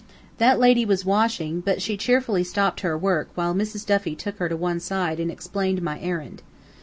That lady was washing, but she cheerfully stopped her work while Mrs. Duffy took her to one side and explained my errand.